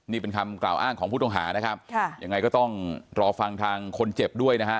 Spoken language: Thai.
นี่เป็นคำกล่าวอ้างของผู้ต้องหานะครับค่ะยังไงก็ต้องรอฟังทางคนเจ็บด้วยนะฮะ